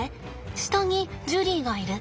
下にジュリーがいる。